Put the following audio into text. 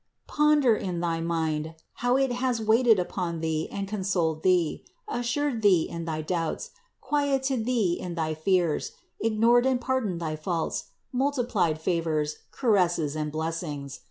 Pon der in thy mind, how it has waited upon thee and con soled thee, assured thee in thy doubts, quieted thee in thy fears, ignored and pardoned thy faults, multiplied favors, caresses and blessings.